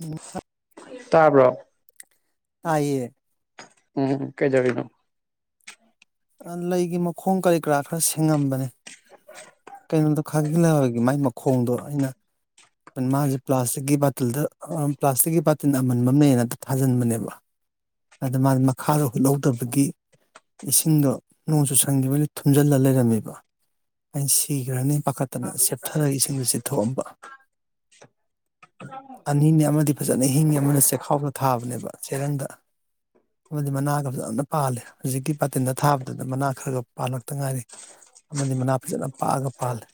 ꯎꯝ ꯑꯥ ꯇꯥꯕ꯭ꯔꯣ ꯇꯌꯦ ꯎꯝ ꯀꯩꯗꯧꯔꯤꯅꯣ ꯂꯩꯒꯤ ꯃꯈꯣꯡ ꯀꯔꯤ ꯀꯔꯥ ꯈꯔ ꯁꯦꯡꯉꯝꯕꯅꯦ [inaudible] ꯀꯩꯅꯣꯗꯣ ꯈꯥꯒꯤꯂꯩꯍꯥꯎꯒꯤ ꯃꯥꯏ ꯃꯈꯣꯡꯗꯣ ꯑꯩꯅ ꯑꯗꯨ ꯃꯥꯁꯦ ꯄ꯭ꯂꯥꯁꯇꯤꯛꯀꯤ ꯕꯥꯜꯇꯤꯜꯗ ꯄ꯭ꯂꯥꯁꯇꯤꯛꯀꯤ ꯕꯥꯇꯤꯜ ꯑꯃꯟꯕ ꯑꯃ ꯂꯩꯌꯦꯅ ꯊꯥꯖꯤꯟꯕꯅꯦꯕ ꯑꯗ ꯃꯥꯗꯤ ꯃꯈꯥꯗꯣ ꯍꯨꯠꯍꯧꯗꯕꯒꯤ ꯏꯁꯤꯡꯗꯣ ꯅꯣꯡ ꯆꯨ ꯁꯟꯈꯤꯕꯩ ꯊꯨꯝꯖꯤꯜꯂ ꯂꯩꯔꯝꯃꯦꯕ ꯑꯩꯅ ꯁꯤꯈ꯭ꯔꯅꯤ ꯄꯥꯈꯠꯇꯅ ꯁꯦꯞꯊꯔꯒ ꯏꯁꯤꯡꯗꯨ ꯆꯤ ꯊꯣꯝꯕ ꯑꯅꯤꯅꯤ ꯑꯃꯗꯤ ꯐꯖꯅ ꯍꯤꯡꯉꯤ ꯑꯃꯅ ꯆꯦꯛꯈꯥꯎꯗ ꯊꯥꯕꯅꯦꯕ ꯆꯦꯔꯪꯗ ꯑꯃꯗꯤ ꯃꯅꯥꯒ ꯐꯖꯅ ꯄꯥꯜꯂꯦ ꯍꯧꯖꯤꯛꯀꯤ ꯕꯥꯜꯇꯤꯟꯗ ꯊꯥꯕꯗꯨꯅ ꯃꯅꯥ ꯈꯔꯒ ꯄꯥꯜꯂꯛꯇ ꯉꯥꯏꯔꯤ ꯑꯃꯗꯤ ꯃꯅꯥ ꯐꯖꯅ ꯄꯥꯛꯑꯒ ꯄꯥꯜꯂꯦ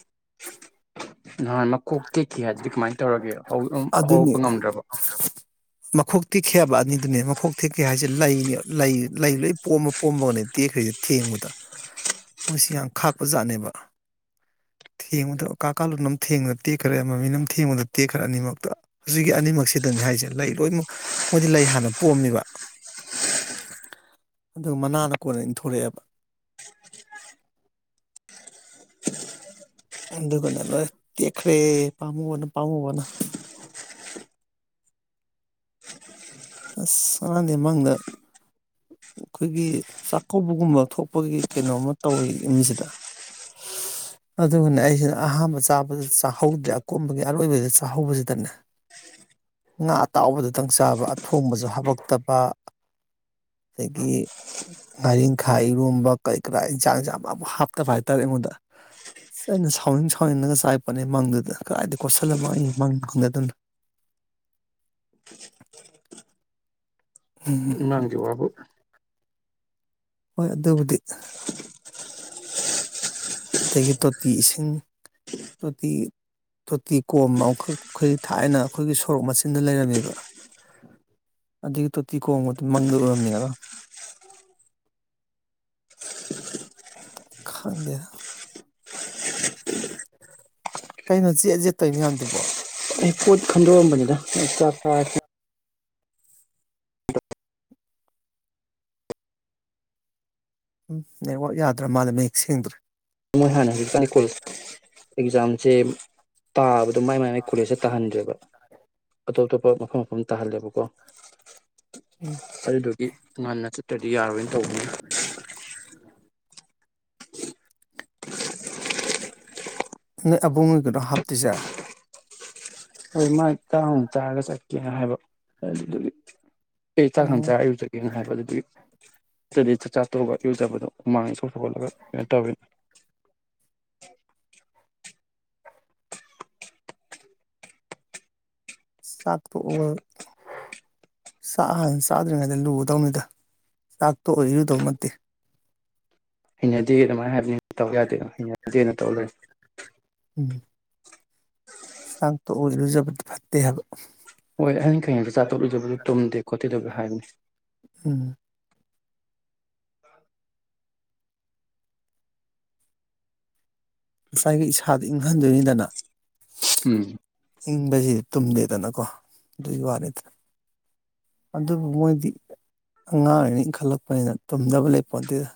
ꯅꯍꯥꯟ ꯃꯈꯣꯛ ꯇꯦꯛꯈꯤ ꯍꯥꯏ ꯑꯗꯨꯗꯤ ꯀꯃꯥꯏꯅ ꯇꯧꯔꯒꯦ ꯑꯗꯨꯅꯤ ꯍꯧꯔꯛꯄ ꯉꯝꯗ꯭ꯔꯕꯣ ꯃꯈꯣꯛ ꯇꯦꯛꯈꯤ ꯍꯥꯢꯕ ꯑꯅꯤꯗꯨꯅꯦ ꯃꯈꯣꯛ ꯇꯦꯛꯈꯤ ꯍꯥꯏꯁꯦ ꯂꯩꯅꯤ ꯂꯩ ꯂꯣꯏ ꯄꯣꯝꯃ ꯄꯣꯝꯃꯒꯅꯦ ꯇꯦꯛꯈ꯭ꯔꯦꯁꯦ ꯊꯦꯡꯕꯗ ꯃꯣꯏꯁꯤ ꯌꯥꯝ ꯈꯥꯛꯄ ꯖꯥꯠꯅꯦꯕ ꯊꯦꯡꯕꯗ ꯀꯥ ꯀꯥꯂꯨꯅ ꯑꯃ ꯊꯦꯡꯕ ꯇꯦꯛꯈ꯭ꯔꯦ ꯃꯃꯤꯅ ꯑꯃ ꯊꯦꯡꯕꯗ ꯇꯦꯛꯈ꯭ꯔꯦ ꯑꯅꯤꯃꯛꯇ ꯁꯤꯒꯤ ꯑꯅꯤꯃꯛꯁꯤꯗꯅꯤ ꯍꯥꯏꯁꯦ ꯂꯩ ꯂꯣꯏꯅꯃꯛ ꯃꯣꯏꯗꯤ ꯂꯩ ꯍꯥꯟꯅ ꯄꯣꯝꯃꯦꯕ ꯑꯗꯨ ꯃꯅꯥꯅ ꯀꯣꯟꯅ ꯏꯟꯊꯣꯔꯛꯑꯦꯕ ꯑꯗꯨꯒꯅꯦ ꯂꯣꯢ ꯇꯦꯛꯈ꯭ꯔꯦ ꯄꯥꯝꯃꯨꯕꯅ ꯄꯥꯝꯃꯨꯕꯅ ꯑꯁ ꯃꯥꯅꯦ ꯃꯪꯗ ꯑꯩꯈꯣꯏꯒꯤ ꯆꯥꯛꯀꯧꯕꯒꯨꯝꯕ ꯊꯣꯛꯄꯒꯤ ꯀꯩꯅꯣꯃ ꯇꯧꯋꯤ ꯌꯨꯝꯁꯤꯗ ꯑꯗꯨꯒꯅꯦ ꯑꯩꯁꯤꯅ ꯑꯍꯥꯟꯕ ꯆꯥꯕꯗ ꯆꯥꯍꯧꯗ꯭ꯔꯦ ꯑꯀꯣꯝꯕꯒꯤ ꯑꯔꯣꯏꯕꯗ ꯆꯥꯛꯍꯧꯕꯁꯤꯗꯅꯦ ꯉꯥ ꯑꯇꯥꯎꯕꯗꯨꯇꯪ ꯆꯥꯕ ꯊꯣꯡꯕꯁꯨ ꯍꯥꯄꯛꯇꯕ ꯑꯗꯒꯤ ꯉꯥꯔꯤꯡꯈꯥ ꯏꯔꯣꯝꯕ ꯀꯔꯤ ꯀꯔꯥ ꯏꯟꯁꯥꯡꯁꯤ ꯑꯃꯐꯥꯎ ꯍꯥꯞꯇꯕ ꯍꯥꯏꯇꯥꯔꯦ ꯑꯩꯉꯣꯟꯗ ꯑꯩꯅ ꯁꯥꯎꯅꯤꯡ ꯁꯥꯎꯅꯤꯡꯉꯒ ꯆꯥꯔꯛꯄꯅꯤ ꯃꯪꯗꯨꯗ ꯀꯗꯥꯏꯗ ꯀꯣꯠꯁꯤꯜꯂ ꯃꯪꯏꯕ ꯃꯪꯅꯣ ꯈꯪꯗꯦꯗ ꯅꯪꯒꯤ ꯋꯥꯕꯨ ꯍꯣꯏ ꯑꯗꯨꯕꯨꯗꯤ ꯑꯗꯒꯤ ꯇꯣꯇꯤ ꯏꯁꯤꯡ ꯇꯣꯇꯤ ꯇꯣꯇꯤ ꯀꯣꯝ ꯑꯃꯈꯛꯈꯣꯏ ꯊꯥꯏꯅ ꯑꯩꯈꯣꯏꯒꯤ ꯁꯣꯔꯣꯛ ꯃꯆꯤꯟꯗ ꯂꯩꯔꯝꯃꯦꯕ ꯑꯗꯨꯒꯤ ꯇꯣꯇꯤ ꯀꯣꯝꯒꯗꯣ ꯃꯪꯗ ꯎꯔꯝꯃꯦꯕ ꯈꯪꯗꯦꯗ ꯀꯩꯅꯣ ꯆꯦꯠ ꯖꯦꯠ ꯇꯣꯏ ꯃꯌꯥꯝꯗꯨꯕꯣ ꯑꯩ ꯄꯣꯠ ꯈꯟꯗꯣꯛ ꯑꯝꯕꯅꯤꯗ ꯆꯥꯛ ꯆꯥꯔꯗꯤ ꯎꯝ ꯅꯦꯠꯋꯥꯛ ꯌꯥꯗ꯭ꯔꯥ ꯃꯥꯜꯂꯦ ꯃꯌꯦꯛ ꯁꯦꯡꯗ꯭ꯔꯦ ꯃꯣꯏ ꯍꯥꯟꯗꯤ ꯀꯥꯢ ꯀꯣꯏ ꯑꯦꯛꯖꯥꯝꯁꯦ ꯇꯥꯕꯗ ꯑꯗꯨ ꯃꯥꯏ ꯃꯥꯏ ꯀꯣꯂꯖꯇ ꯇꯥꯍꯟꯗ꯭ꯔꯦꯕ ꯑꯇꯣꯞ ꯑꯇꯣꯞꯄ ꯃꯐꯝ ꯃꯐꯝ ꯇꯥꯍꯜꯂꯦꯕꯀꯣ ꯎꯝ ꯑꯗꯨꯗꯨꯒꯤ ꯉꯟꯅ ꯆꯠ ꯇꯗꯤ ꯌꯥꯔꯣꯏ [unintelligible] ꯅꯣ ꯑꯕꯨꯡꯉꯣꯏꯒꯔꯣ ꯍꯥꯞꯇꯣꯏꯖꯦ ꯍꯣꯏ ꯃꯥꯏ ꯇꯥꯡꯃꯨꯛ ꯆꯥꯔꯒ ꯆꯠꯀꯦꯅ ꯍꯥꯏꯕ ꯑꯗꯨꯗꯨꯒꯤ ꯑꯦ ꯆꯥꯛꯉꯟ ꯎꯝ ꯆꯥꯔ ꯑꯌꯨꯛ ꯆꯠꯀꯦ ꯍꯥꯏꯕ ꯑꯗꯨꯗꯨꯒꯤ ꯇ꯭ꯕꯗꯤ ꯆꯥꯛꯆꯥ ꯊꯣꯛꯑꯒ ꯏꯔꯨꯖꯕꯗꯣ ꯍꯨꯃꯥꯡ ꯁꯧꯕꯗꯣꯠꯂꯒ ꯀꯩꯅꯣ ꯇꯧꯋꯦꯅ ꯆꯥꯛ ꯇꯣꯛꯑꯒ ꯆꯥꯛ ꯍꯥꯟꯅ ꯆꯥꯗ꯭ꯔꯤꯉꯩꯗ ꯂꯨꯗꯧꯅꯤꯗ ꯆꯥꯛ ꯇꯣꯛꯑ ꯏꯔꯨꯗꯧ ꯅꯠꯇꯦ ꯍꯩꯅꯗꯦ ꯑꯗꯨꯃꯥꯏꯅ ꯍꯥꯏꯕꯅꯤ ꯑꯩ ꯇꯧ ꯌꯥꯗꯦꯅ ꯍꯩꯅꯗꯦꯅ ꯇꯧ ꯂꯩꯔꯦ ꯎꯝ ꯁꯥꯛꯇꯣꯛꯑ ꯏꯔꯨꯖꯕꯗꯤ ꯐꯠꯇꯦ ꯍꯥꯏꯕ [unintelligible] ꯎꯝ [unintelligible] ꯉꯁꯥꯏꯒꯤ ꯏꯁꯥꯗ ꯏꯪꯍꯟꯗꯣꯏꯅꯤꯗꯅ ꯎꯝ ꯏꯪꯕꯖꯤꯗꯤ ꯇꯨꯝꯗꯦꯗꯅꯀꯣ ꯑꯗꯨꯒꯤ ꯋꯥꯅꯦꯗ ꯑꯗꯨꯕꯨ ꯃꯣꯏꯗꯤ ꯑꯉꯥꯡꯑꯣꯏꯔꯤꯉꯩ ꯏꯪꯈꯠꯂꯛꯄꯅꯤꯅ ꯇꯨꯝꯗꯕ ꯂꯩ ꯄꯣꯠꯇꯦꯗ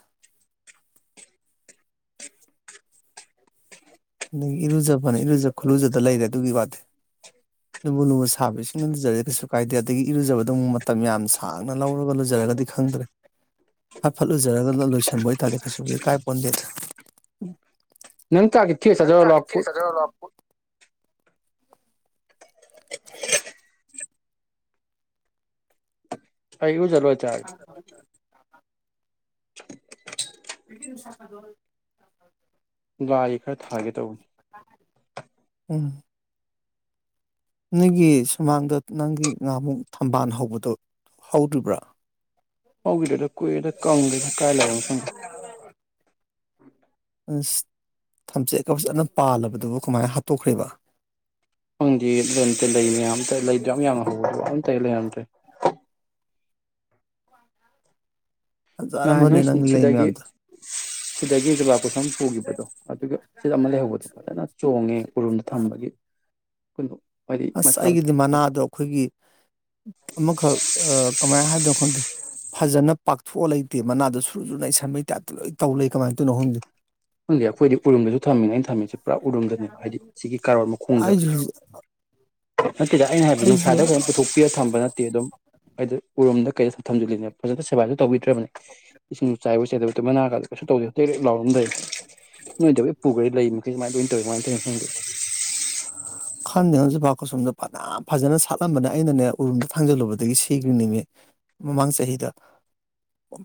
ꯑꯗꯒꯤ ꯏꯔꯨꯖꯕꯅꯦ ꯏꯔꯨꯖ ꯈꯨꯂꯨꯖꯗ ꯂꯩꯔꯦ ꯑꯗꯨꯒꯤ ꯋꯥꯗꯤ ꯂꯨꯕꯨ ꯂꯨꯕꯨ ꯁꯥꯕ ꯏꯁꯤꯡꯅ ꯂꯨꯖꯔꯦ ꯀꯩꯁꯨ ꯀꯥꯏꯗꯦ ꯑꯗꯒꯤ ꯏꯔꯨꯖꯕꯗ ꯑꯃꯨꯛ ꯃꯇꯝ ꯌꯥꯝ ꯁꯥꯡꯅ ꯂꯧꯔꯒ ꯂꯣꯏꯖꯔꯒꯗꯤ ꯈꯪꯗ꯭ꯔꯦ ꯐꯠ ꯐꯠ ꯂꯨꯖꯔꯒ ꯂꯣꯏꯁꯤꯟꯕ ꯑꯣꯏꯇꯥꯥꯔꯗꯤ ꯀꯩꯁꯨꯕꯨꯗꯤ ꯀꯥꯏ ꯄꯣꯟꯗꯦꯗ ꯅꯪ ꯇꯥꯔꯒꯦꯠ ꯐꯤꯛꯁ ꯆꯠꯆꯔꯣ [unintelligible] ꯑꯩꯑꯣ [inaudible] [inaudible] [unintelligible] ꯊꯥꯒꯦ ꯇꯧꯕꯅꯦ ꯎꯝ ꯅꯪꯒꯤ ꯁꯨꯃꯥꯡꯗ ꯅꯪꯒꯤ ꯅꯥꯃꯨꯛ ꯊꯝꯕꯥꯜ ꯍꯧꯕꯗꯣ ꯍꯧꯗ꯭ꯔꯤꯕ꯭ꯔꯥ ꯍꯧꯒꯤꯗ꯭ꯔꯦꯗ ꯀꯨꯏꯔꯦꯗ ꯀꯪꯒꯔꯦꯗ ꯀꯥꯏ ꯂꯩꯑꯣ ꯈꯪꯗꯦ [inaudible] ꯑꯁ ꯊꯝꯆꯦꯠ ꯑꯗꯨ ꯐꯖꯅ ꯄꯥꯜꯂꯕꯗꯨꯕꯨ ꯀꯃꯥꯏꯅ ꯍꯥꯠꯇꯣꯛꯈ꯭ꯔꯦꯕ [unintelligible] ꯇꯍꯦ ꯂꯩꯔꯝꯗ꯭ꯔꯦ ꯅꯍꯥꯟ ꯐꯖꯔꯝꯕꯅꯦ ꯅꯣꯏ ꯁꯤ ꯅꯪꯒꯤ ꯂꯩ ꯁꯤꯗꯒꯤ ꯃꯌꯥꯝꯗꯣ ꯁꯤꯗꯒꯤ ꯖꯨꯕꯥꯞ ꯀꯨꯁꯨꯝ ꯄꯨꯈꯤꯕꯗꯣ ꯑꯗꯨꯒ ꯁꯤꯗ ꯑꯃ ꯂꯩꯍꯧꯕꯗꯣ ꯐꯖꯅ ꯆꯣꯡꯉꯦ ꯎꯔꯨꯝꯗ ꯊꯝꯕꯒꯤ ꯀꯨꯂꯣ ꯑꯁ ꯑꯩꯒꯤꯗꯤ ꯃꯅꯥꯗꯣ ꯑꯩꯈꯣꯏꯒꯤ ꯑꯃꯈꯛ ꯑ ꯀꯃꯥꯏꯅ ꯍꯥꯏꯗꯣꯏꯅꯣ ꯈꯪꯗꯦ ꯐꯖꯅ ꯄꯥꯛꯊꯣꯛꯑ ꯂꯩꯇꯦ ꯃꯅꯥꯗꯣ ꯁꯨꯔꯨꯖꯨ ꯅꯩꯁꯟꯕꯩ ꯇꯥꯏꯞꯇ ꯂꯣꯏ ꯇꯧ ꯂꯩ ꯀꯃꯥꯏ ꯇꯧꯏꯅꯣ ꯈꯪꯗꯦ ꯈꯪꯗꯦ ꯑꯩꯈꯣꯏꯗꯤ ꯎꯔꯨꯝꯒꯁꯨ ꯊꯝꯃꯤꯅꯦ ꯑꯩꯅ ꯊꯝꯃꯤꯁꯦ ꯄꯨꯔꯥ ꯎꯔꯨꯝꯗꯅꯦꯕ ꯍꯥꯏꯗꯤ ꯁꯤꯒꯤ ꯀꯥꯔꯣꯠ ꯃꯈꯣꯡꯗ ꯑꯩꯁꯨ ꯍꯧꯖꯤꯛ ꯅꯠꯇꯦꯗ ꯑꯩꯅ ꯍꯥꯏꯕꯗꯤ ꯑꯩꯁꯨ ꯅꯨꯡꯁꯥꯗ ꯀꯩꯗ ꯄꯨꯊꯣꯛꯄꯤꯔꯒ ꯊꯝꯕ ꯅꯠꯇꯦ ꯑꯗꯨꯝ ꯑꯩꯗꯤ ꯎꯔꯨꯝꯗ ꯀꯩ ꯊꯝꯖꯦ ꯐꯖ ꯁꯦꯕꯥꯁꯨ ꯇꯧꯕꯤꯗ꯭ꯔꯕꯅꯦ ꯏꯁꯤꯡꯁꯨ ꯆꯥꯏꯕ ꯆꯦꯗꯕꯗ ꯃꯅꯥꯒꯗ ꯀꯩꯁꯨ ꯇꯧꯗꯦ ꯇꯦꯛꯇꯦꯛ ꯂꯥꯎꯔ ꯑꯗꯨꯝ ꯂꯩꯔꯦ ꯅꯣꯏꯗ ꯂꯣꯢ ꯄꯨꯒ꯭ꯔꯦ ꯂꯩ [unintelligible] ꯀꯔꯃꯥꯏ ꯇꯣꯢꯅꯣ ꯈꯪꯗꯀ ꯈꯪꯗꯦꯉꯣ ꯖꯨꯕꯥ ꯀꯨꯁꯨꯝꯗꯣ ꯐꯅ ꯐꯖꯅ ꯁꯥꯠꯂꯝꯕꯅꯦ ꯑꯩꯅꯅꯦ ꯎꯔꯨꯝꯗ ꯊꯥꯡꯖꯜꯂꯨꯕꯗꯒꯤ ꯁꯤꯈ꯭ꯔꯤ ꯅꯦꯃꯤ ꯃꯃꯥꯡ ꯆꯍꯤꯗ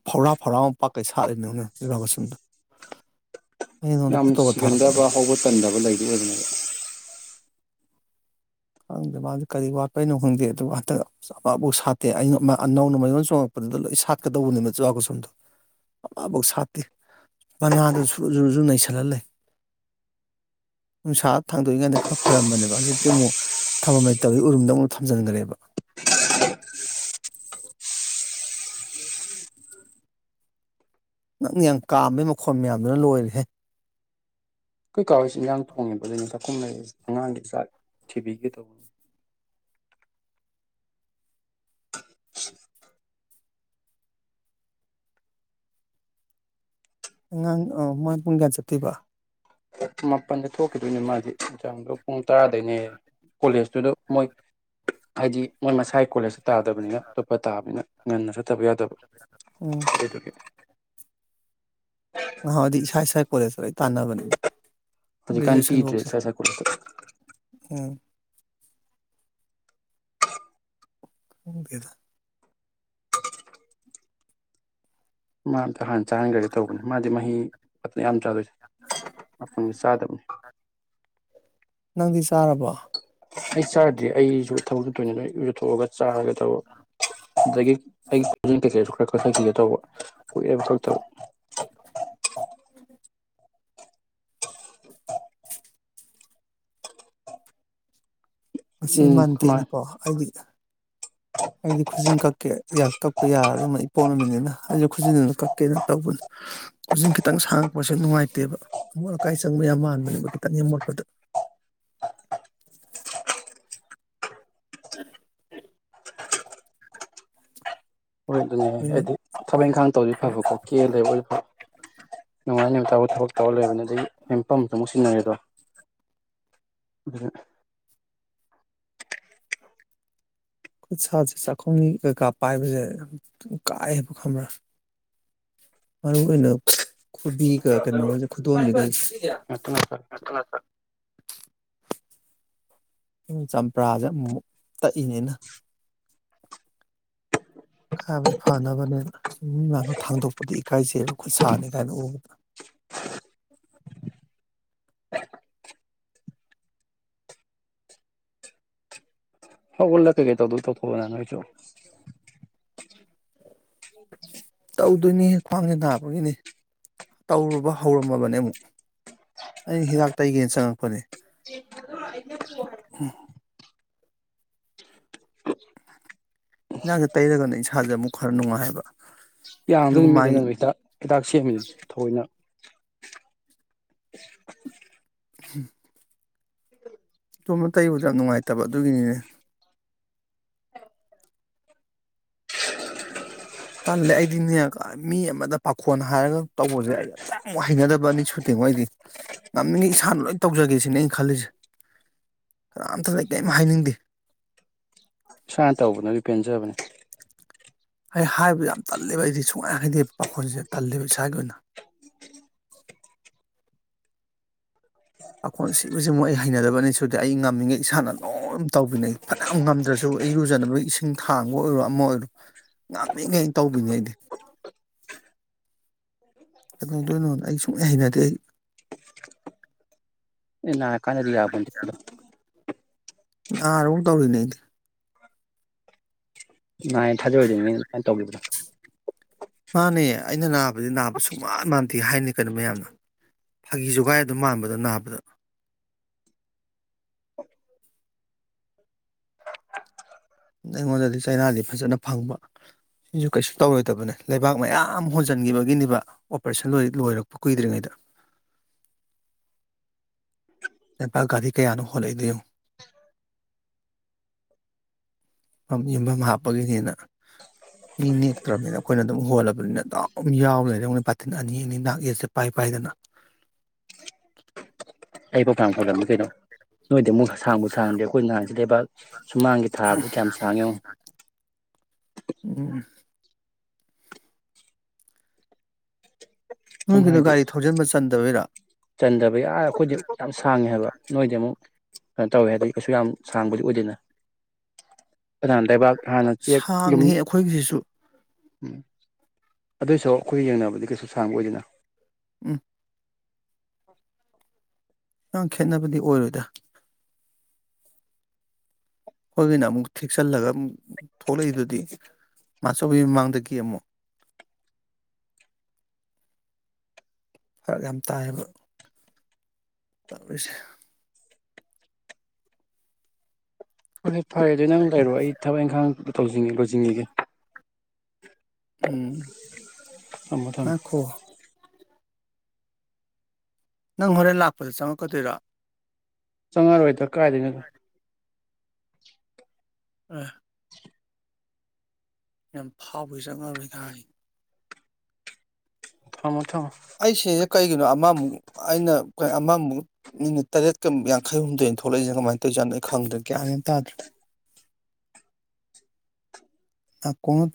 ꯐꯧꯔꯥ ꯐꯧꯔꯥ ꯃꯨꯛ ꯄꯥꯛꯀꯩ ꯁꯥꯠꯂꯤꯅꯤꯅꯦ ꯖꯨꯕꯥ ꯀꯁꯨꯝꯗꯣ ꯌꯥꯝ ꯁꯤꯒꯟꯗꯕ ꯍꯧꯕ ꯇꯟꯗꯕ ꯂꯩꯗꯤ ꯑꯣꯏꯕꯅꯦꯕ [inaudible] ꯈꯪꯗꯦ ꯃꯥꯁꯤ ꯀꯔꯤ ꯋꯥꯠꯄꯩꯅꯣ ꯈꯪꯗꯦ ꯑꯗꯨꯕꯨ ꯍꯟꯇꯛ ꯑꯃꯥꯐꯧ ꯁꯥꯠꯇꯦ ꯑꯅꯧ ꯑꯅꯧꯅ ꯃꯌꯣꯟ ꯆꯣꯡꯉꯛꯄꯗꯨꯗ ꯂꯣꯏ ꯁꯥꯠꯀꯗꯧꯕꯅꯦꯕ ꯖꯨꯕꯀꯨꯁꯨꯝꯗꯣ ꯑꯃꯐꯧ ꯁꯥꯠꯇꯦ ꯃꯅꯥꯗ ꯁꯨꯔꯨ ꯁꯨꯔꯨꯁꯨ ꯅꯩꯁꯜꯂ ꯂꯩ ꯅꯨꯡꯁꯥ ꯊꯥꯡꯗꯣꯛꯏꯉꯩꯗ ꯈꯔ ꯐꯔꯝꯕꯅꯦꯕ ꯍꯧꯖꯤꯛꯇꯤ ꯑꯃꯨꯛ ꯊꯝꯐꯝ ꯂꯩꯇꯕꯒꯤ ꯎꯔꯨꯝꯗ ꯑꯃꯨꯛ ꯊꯝꯖꯟꯒ꯭ꯔꯦꯕ ꯅꯪꯅ ꯌꯥꯝ ꯀꯥꯝꯕꯩ ꯃꯈꯣꯟ ꯃꯌꯥꯝꯗꯨꯅ ꯂꯣꯏꯔꯦꯍꯦ ꯑꯩꯈꯣꯏ ꯀꯥ ꯍꯣꯏꯁꯨ ꯏꯟꯖꯥꯡ ꯊꯣꯡꯉꯤꯕ ꯑꯗꯨꯏꯅꯤ ꯗꯨꯝ ꯂꯩ ꯑꯉꯥꯡꯒꯤ ꯆꯥꯛ ꯊꯤꯕꯤꯒꯦ ꯇꯧ [inaudible] ꯑꯉꯥꯡ ꯑꯧ ꯃꯥ ꯄꯨꯡ ꯀꯌꯥ ꯆꯠꯇꯣꯏꯕ ꯃꯥꯄꯜꯗ ꯊꯣꯛꯈꯤꯗꯣꯏꯅꯦ ꯃꯥꯗꯤ ꯖꯥꯝꯒ ꯄꯨꯡ ꯇꯔꯥꯗꯩꯅꯦꯌꯦ ꯀꯣꯂꯦꯖꯇꯨꯗ ꯃꯣꯏ ꯍꯥꯏꯗꯤ ꯃꯣꯏ ꯃꯁꯥꯏ ꯀꯣꯂꯦꯖ ꯇꯥꯗꯕꯅꯤꯅ ꯑꯇꯣꯞꯄ ꯇꯥꯕꯅꯤꯅ ꯉꯟꯅ ꯆꯠ ꯆꯠꯇꯕ ꯌꯥꯗꯕ ꯎꯝ ꯑꯗꯨꯗꯨꯒꯤ ꯉꯍꯥꯋꯥꯢꯗꯤ ꯏꯁꯥ ꯏꯁꯥꯒꯤ ꯀꯣꯂꯦꯖ ꯇꯥ ꯂꯣꯢ ꯇꯥꯅꯕꯅꯤ ꯍꯧꯖꯤꯛꯀꯥꯟ ꯄꯤꯗ꯭ꯔꯦ ꯏꯁꯥ ꯏꯁꯥꯒꯤ ꯀꯣꯂꯦꯖꯇ ꯎꯝ ꯈꯪ ꯗꯦꯗ ꯃꯥ ꯑꯝꯇ ꯍꯥꯟ ꯆꯥꯍꯟꯈ꯭ꯔꯒꯦ ꯇꯧꯕꯅꯤ ꯃꯥꯗꯤ ꯃꯍꯤ ꯃꯌꯥꯝ ꯆꯥ ꯂꯣꯢꯁꯤ [unintelligible] [inaudible] ꯅꯪꯗꯤ ꯇꯥꯔꯕꯣ ꯑꯩꯪ ꯁꯥꯔ꯭ꯠ ꯑꯩꯁꯨ ꯊꯕꯛ ꯆꯠꯇꯣꯢꯅꯤ [unintelligible] ꯊꯣꯛꯑꯒ ꯆꯥꯔꯒꯦ ꯇꯧꯕ ꯑꯗꯒꯤ ꯑꯩꯒꯤ [unintelligible] [unintelligible] [inaudible] ꯉꯁꯤ ꯎꯝ ꯃꯥꯅꯤ ꯃꯟꯇꯦꯅꯤꯀꯣ ꯑꯩꯗꯤ ꯑꯩꯗꯤ ꯈꯨꯖꯤꯟ ꯀꯛꯀꯦ ꯌꯥ ꯀꯛꯄ ꯌꯥꯔꯔꯣꯏ ꯃ ꯏꯄꯣꯛ ꯅꯨꯃꯤꯠꯅꯤꯅ ꯑꯩꯁꯨ ꯈꯨꯖꯤꯟ ꯑꯝ ꯀꯛꯀꯦꯅ ꯇꯧꯕꯅꯤ ꯈꯨꯖꯤꯟ ꯈꯤꯇꯪ ꯁꯥꯡꯉꯛꯄꯁꯦ ꯅꯨꯡꯉꯥꯏꯇꯦꯕ ꯑꯃꯣꯠ ꯑꯀꯥꯏ ꯆꯪꯕ ꯌꯥꯝ ꯃꯥꯟꯕꯅꯦꯕ ꯈꯤꯇꯪ ꯍꯦꯛ ꯃꯣꯠꯄꯗ [inaudible] ꯍꯣꯏ ꯑꯗꯨꯅꯦ ꯃꯤꯅꯤꯠ ꯍꯥꯏꯗꯤ ꯊꯕꯛ ꯏꯪꯈꯥꯡ ꯇꯧꯗꯗꯤ ꯐꯕꯀꯣ ꯀꯦꯂꯩꯕ ꯑꯣꯏꯗꯤ ꯐꯕ ꯅꯨꯡꯉꯥꯟ ꯗꯩ ꯅꯨꯃꯤꯠ ꯇꯕꯥꯎ ꯊꯕꯛ ꯇꯧꯔ ꯂꯩꯕꯅꯤ ꯑꯗꯒꯤ ꯍꯦꯟꯄꯝꯇꯣ ꯑꯃꯨꯛ ꯁꯤꯖꯤꯟꯅꯔꯦ ꯗꯣ ꯎꯃ ꯈꯨꯠ ꯁꯥꯥꯁꯦ ꯆꯥꯈꯨꯝꯒꯤ ꯀꯩꯀꯥ ꯄꯥꯏꯕꯁꯦ ꯀꯥꯏꯌꯦꯕ ꯈꯪꯕ꯭ꯔ ꯃꯔꯨ ꯑꯣꯏꯅ ꯈꯨꯕꯤꯒ ꯀꯩꯅꯣꯒꯁꯦ ꯈꯨꯗꯣꯝꯕꯤꯒꯁꯦ ꯉꯥꯛꯇꯪ ꯉꯥꯛꯇꯪ ꯆꯝꯄ꯭ꯔꯥꯁꯦ ꯑꯃꯨꯃꯨꯛ ꯇꯛꯏꯅꯦ ꯑꯩꯅ ꯈꯔꯥꯕꯨꯗꯤ ꯐꯅꯕꯅꯦꯕ ꯁꯤ ꯃꯤ ꯃꯥꯡꯗ ꯊꯥꯡꯗꯣꯛꯄꯗ ꯏꯀꯥꯏꯖꯩꯕ ꯈꯨꯠ ꯁꯥꯅꯤ ꯀꯥꯏꯅ ꯎꯕꯗ [inaudible] ꯍꯥꯎ ꯎꯂ ꯀꯒꯩ ꯇꯧꯗꯨ ꯇꯧꯊꯣꯛꯑꯣꯗꯅ ꯅꯪꯁꯨ ꯇꯧꯗꯣꯏꯅꯤ ꯍꯦ ꯈ꯭ꯋꯥꯡꯁꯦ ꯅꯥꯕꯒꯤꯅꯦ ꯇꯧꯔꯨꯕ ꯍꯧꯔꯝꯃꯕꯅꯦ ꯑꯃꯨꯛ ꯑꯩ ꯍꯤꯗꯥꯛ ꯇꯩꯒꯦꯅ ꯆꯪꯉꯛꯄꯅꯦ ꯎꯝ ꯍꯤꯖꯥꯡꯁꯦ ꯇꯩꯔꯒꯅ ꯏꯁꯥꯟꯖꯦ ꯑꯃꯨꯛ ꯈꯔ ꯅꯨꯡꯉꯥꯏꯌꯦꯕ ꯌꯝꯗꯣꯏꯅꯤ ꯅ ꯍꯤꯗꯥꯛ ꯁꯦꯝꯃꯤꯅꯦ ꯊꯥꯑꯣꯏꯅ ꯍꯨꯝ ꯑꯗꯣꯝꯕ ꯇꯩꯕꯗ ꯌꯥꯝ ꯅꯨꯡꯉꯥꯏꯇꯕ ꯑꯗꯨꯒꯤꯅꯤꯅꯦ ꯇꯜꯂꯦ ꯑꯩꯗꯤ ꯃꯤꯅꯀ ꯃꯤ ꯑꯃꯗ ꯄꯥꯈꯣꯟ ꯍꯥꯏꯔꯒ ꯇꯧꯕꯁꯦ ꯑꯩ ꯑꯁꯦꯡ ꯍꯩꯅꯗꯕ ꯑꯅꯤ ꯁꯨꯇꯤꯉꯣ ꯑꯩꯗꯤ ꯉꯝꯃꯤꯉꯩ ꯏꯁꯥꯅ ꯂꯣꯏ ꯇꯧꯖꯒꯦ ꯁꯤꯅꯦ ꯑꯩ ꯈꯜꯂꯤꯁꯦ ꯀꯅꯥꯝꯇꯗ ꯑꯩ ꯀꯦꯝ ꯍꯥꯏꯅꯤꯡꯗꯦ ꯏꯁꯥꯅ ꯇꯧꯕꯅꯗꯤ ꯄꯦꯟꯖꯕꯅꯦ ꯑꯩ ꯍꯥꯏꯕ ꯌꯥꯝ ꯇꯜꯂꯦꯕ ꯑꯩꯖꯦ ꯁꯨꯡꯍꯥꯏ ꯍꯥꯏꯗꯦ ꯄꯥꯈꯣꯟꯁꯦ ꯇꯜꯂꯦꯕ ꯏꯁꯥꯒꯤ ꯑꯣꯏꯅ ꯄꯈꯣꯟ ꯁꯤꯕꯁꯤꯃꯨꯛ ꯑꯩ ꯍꯩꯅꯗꯕ ꯑꯅꯤ ꯁꯨꯗꯦ ꯑꯩ ꯉꯝꯃꯤꯉꯩ ꯏꯁꯥꯅ ꯂꯣꯏ ꯇꯧꯕꯤꯅꯦ ꯐꯅꯌꯥꯝ ꯉꯝꯗ꯭ꯔꯁꯨ ꯑꯩ ꯏꯔꯨꯖꯅꯕꯒꯤ ꯏꯁꯤꯡ ꯊꯥꯡꯕ ꯑꯣꯏꯔꯣ ꯑꯃ ꯑꯣꯏꯔꯣ ꯉꯝꯃꯤꯉꯩ ꯇꯧꯕꯤꯅꯦ ꯑꯩꯗꯤ ꯀꯩꯗꯧꯗꯣꯏꯅꯣ ꯑꯩ ꯁꯨꯡꯍꯩ ꯍꯩꯅꯗꯦ ꯑꯩ ꯃꯤꯠ ꯅꯔꯥ ꯀꯥꯟꯗꯗꯤ ꯌꯥꯕꯣꯇꯦꯗ ꯅꯥꯔꯕꯥꯎ ꯇꯧꯔꯤꯅꯦ ꯑꯩꯗꯤ ꯅꯥꯏ ꯊꯥꯖꯔꯣꯏꯗꯣꯏꯃꯤ ꯅꯪ ꯇꯧꯔꯤꯕꯗꯣ ꯃꯥꯅꯦ ꯑꯩꯅ ꯅꯥꯕꯗꯤ ꯅꯥꯕ ꯁꯨꯛꯃꯥꯟ ꯃꯥꯟꯗꯦ ꯍꯥꯏꯅꯤ ꯀꯩꯅꯣ ꯃꯌꯥꯝꯅ ꯐꯥꯒꯤ ꯖꯨꯒꯥꯏ ꯑꯗꯨꯝ ꯃꯥꯟꯕꯗꯣ ꯅꯥꯕꯗ ꯑꯩꯉꯣꯟꯗꯗꯤ ꯆꯩꯅꯥꯗꯤ ꯐꯖꯅ ꯐꯪꯕ ꯁꯤꯁꯨ ꯀꯩꯁꯨ ꯇꯧꯔꯣꯏꯗꯕꯅꯦ ꯂꯩꯕꯥꯛ ꯃꯌꯥꯝ ꯍꯣꯟꯖꯟꯒꯤꯕꯒꯤꯅꯦꯕ ꯑꯣꯄꯔꯦꯁꯟ ꯂꯣꯏꯔꯛꯄ ꯀꯨꯏꯗ꯭ꯔꯤꯉꯩꯗ ꯂꯥꯕꯥꯛ ꯒꯥꯔꯤ ꯀꯌꯥꯅꯣ ꯍꯣꯟꯂꯛꯏꯗꯣ ꯌꯦꯡꯉꯣ ꯄꯝ ꯌꯨꯝꯐꯝ ꯍꯥꯞꯄꯒꯤꯅꯦꯅ ꯃꯤ ꯅꯦꯛꯇ꯭ꯔꯕꯅꯤꯅ ꯑꯩꯈꯣꯏꯅ ꯑꯗꯨꯝ ꯍꯣꯜꯂꯕꯅꯤꯅ ꯑꯗꯨꯝ ꯌꯥꯎꯂꯩꯔꯦ ꯌꯦꯡꯉꯣ ꯄꯥꯊꯤꯟ ꯑꯅꯤ ꯑꯅꯤ ꯅꯥꯛ ꯌꯦꯠꯁꯦ ꯄꯥꯏ ꯄꯥꯏꯗꯅ ꯑꯩꯕꯨ ꯐꯥꯅꯝ ꯐꯒꯠꯂꯤ ꯀꯩꯅꯣ ꯅꯣꯏꯗꯤ ꯑꯃꯨꯛ ꯁ ꯁꯥꯡꯕꯨ ꯁꯥꯡꯉꯗꯤ ꯑꯩꯈꯣꯏ ꯅꯍꯥꯟ ꯁꯤꯂꯩꯕꯥꯛ ꯁꯨꯃꯥꯡꯒꯤ ꯊꯥꯕꯗꯨ ꯀꯌꯥꯝ ꯁꯥꯡꯉꯤ ꯉꯣ ꯎꯝ ꯁꯨꯝ ꯅꯣꯏꯒꯤꯗꯣ ꯍꯥꯏꯗꯤ ꯒꯥꯔꯤ ꯊꯧꯖꯤꯟꯕ ꯆꯟꯗꯕꯩꯔ ꯆꯟꯗꯕꯩ ꯑ ꯑꯩꯈꯣꯏꯗꯤ ꯌꯥꯝ ꯁꯥꯡꯉꯦ ꯍꯥꯏꯕ ꯅꯣꯏꯗꯤ ꯑꯃꯨꯛ ꯀꯩꯅꯣ ꯇꯧꯋꯦ ꯍꯥꯏꯗꯤ ꯀꯩꯁꯨ ꯌꯥꯝ ꯁꯥꯡꯕꯗꯤ ꯑꯣꯏꯗꯦꯅ ꯀꯅꯥꯅ ꯂꯩꯕꯥꯛ ꯍꯥꯟꯅ ꯆꯦꯛ ꯌꯨꯝ ꯁꯥꯡꯉ ꯍꯦ ꯑꯩꯈꯣꯏꯒꯤꯗꯨꯁꯨ ꯑꯗꯨꯑꯣꯏꯁꯨ ꯑꯩꯈꯣꯏꯒ ꯌꯦꯡꯅꯕꯗꯤ ꯀꯩꯁꯨ ꯁꯥꯡꯕ ꯑꯣꯏꯗꯦꯅ ꯎꯝ ꯅꯪ ꯈꯦꯠꯅꯕꯗꯤ ꯑꯣꯏꯔꯣꯏꯗ ꯍꯣꯏꯒꯤꯅ ꯑꯃꯨꯛ ꯊꯦꯛꯆꯜꯂꯒ ꯑꯃꯨꯛ ꯊꯣꯛꯂꯛꯏꯗꯨꯗꯤ ꯃꯥꯆꯧꯕꯤ ꯃꯃꯥꯡꯗꯒꯤ ꯑꯃꯨꯛ ꯐꯔꯛ ꯌꯥꯝ ꯇꯥꯏꯌꯦꯕ ꯇꯧꯔꯤꯁꯦ ꯐꯔꯦ ꯐꯔꯦ ꯗꯨ ꯅꯪ ꯂꯩꯔꯣ ꯑꯩ ꯊꯕꯛ ꯏꯪꯈꯥꯡ ꯇꯧꯖꯤꯟ ꯂꯣꯏꯖꯤꯟꯒꯤꯒꯦ ꯎꯝ ꯊꯝꯃꯣ ꯊꯝꯃꯣ ꯉꯥꯏꯈꯣ ꯅꯪ ꯍꯣꯔꯦꯟ ꯂꯥꯛꯄꯗ ꯆꯪ ꯉꯛꯀꯗꯣꯏꯔꯣ ꯆꯪꯉꯛ ꯑꯔꯣꯏꯗ ꯀꯥꯏꯗꯒꯤꯅꯣꯗ ꯑꯥ ꯌꯥꯝ ꯐꯥꯎꯏ ꯆꯪ ꯉꯛ ꯑꯔꯣꯏꯒ ꯍꯥꯏꯌꯦ ꯊꯝꯃꯣ ꯊꯝꯃꯣ ꯑꯩꯁꯤꯗ ꯀꯩꯒꯤꯅꯣ ꯑꯃꯃꯨꯛ ꯑꯩꯅ ꯑꯃꯃꯨꯛ ꯃꯤꯅꯤꯠ ꯇꯔꯦꯠꯀ ꯌꯥꯡꯈꯩꯍꯨꯝꯗꯣꯏ ꯊꯣꯛꯂꯛꯏꯖꯦ ꯀꯃꯥꯏꯅ ꯇꯧꯔꯤꯖꯥꯠꯅꯣ ꯒ꯭ꯌꯥꯟ ꯃꯦꯟ ꯇꯗ꯭ꯔꯦ [inaudible]